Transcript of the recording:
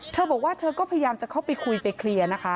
เธอบอกว่าเธอก็พยายามจะเข้าไปคุยไปเคลียร์นะคะ